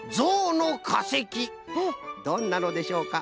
どんなのでしょうか？